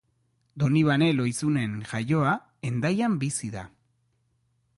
Donibane Lohizunen jaioa, Hendaian bizi da.